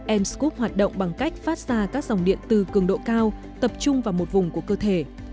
em scrub hoạt động bằng cách phát ra các dòng điện từ cường độ cao tập trung vào một vùng của cơ thể